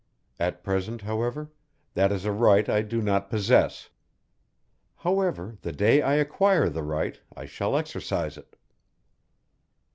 At present, however, that is a right I do not possess. However, the day I acquire the right I shall exercise it."